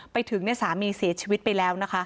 ไปถึงเนี่ยสามีเสียชีวิตไปแล้ว